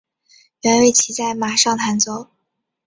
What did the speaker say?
原为骑在马上弹奏。